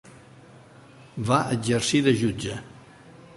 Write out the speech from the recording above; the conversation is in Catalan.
Va exercir de jutge.